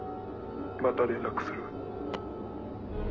また連絡する。